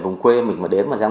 vùng quê mình mà đến